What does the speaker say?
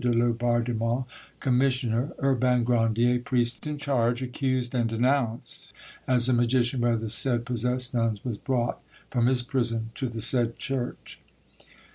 de Laubardemont, commissioner, Urbain Grandier, priest in charge, accused and denounced as a magician by the said possessed nuns, was brought from his prison to the said church.